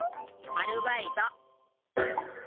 アルバイト。